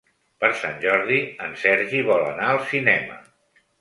Per Sant Jordi en Sergi vol anar al cinema.